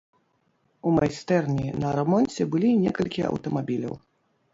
У майстэрні на рамонце былі некалькі аўтамабіляў.